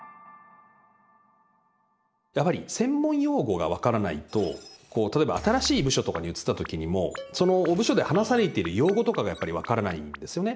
やはり専門用語が分からないと例えば新しい部署とかに移ったときにもその部署で話されてる用語とかが分からないんですよね。